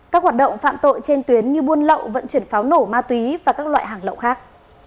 các hoạt động phạm tội trên tuyến như buôn lậu vận chuyển pháo nổ ma túy và các loại hàng lậu khác